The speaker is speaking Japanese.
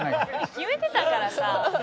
決めてたからさ。